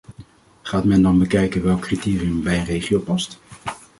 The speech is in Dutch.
Gaat men dan bekijken welk criterium bij een regio past?